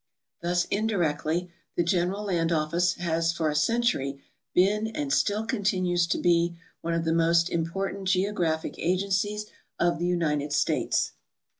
Thus indirectly the General Land Office has for a centur}'^ been and still continues to be one of the important geographic agen cies of the United States.